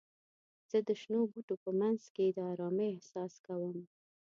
زه د شنو بوټو په منځ کې د آرامۍ احساس کوم.